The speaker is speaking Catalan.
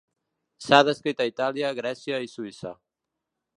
S'ha descrit a Itàlia, Grècia i Suïssa.